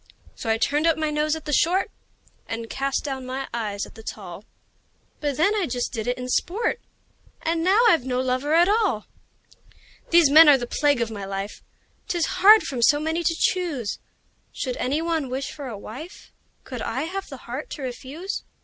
So I turned up my nose at the short, And cast down my eyes at the tall; But then I just did it in sport And now I've no lover at all! These men are the plague of my life: 'Tis hard from so many to choose! Should any one wish for a wife, Could I have the heart to refuse?